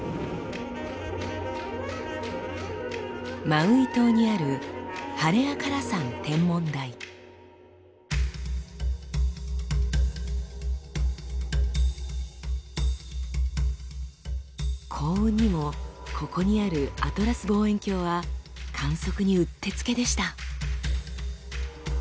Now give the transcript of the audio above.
マウイ島にある幸運にもここにあるＡＴＬＡＳ望遠鏡は観測にうってつけでした。